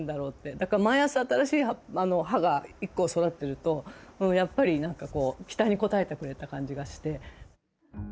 だから毎朝、新しい葉が１個育ってるとやっぱり何か、こう期待に応えてくれた感じがして。